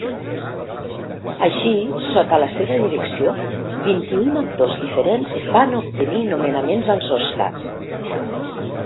Així, sota la seva direcció, vint-i-un actors diferents van obtenir nomenaments als Oscars.